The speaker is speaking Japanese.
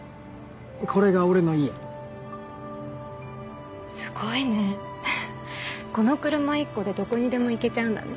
これが俺の家すごいねこの車一個でどこにでも行けちゃうんだね